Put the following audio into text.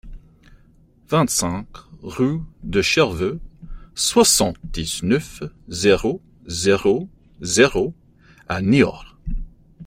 vingt-cinq route de Cherveux, soixante-dix-neuf, zéro zéro zéro à Niort